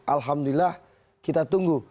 alhamdulillah kita tunggu